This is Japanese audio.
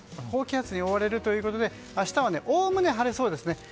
高気圧に覆われるということで明日はおおむね晴れそうですね。